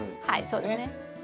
はいそうですね。